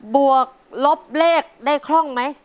บวกลบเลขได้คล่องไหม